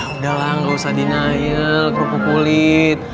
udah lah gak usah denial kerupuk kulit